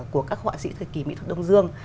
của các họa sĩ thời kỳ mỹ thuật đông dương